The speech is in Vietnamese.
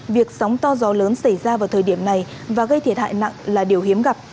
việc sóng to gió lớn xảy ra vào thời điểm này và gây thiệt hại nặng là điều hiếm gặp